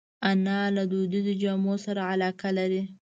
انا له دودیزو جامو سره علاقه لري